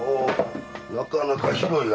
なかなか広いな。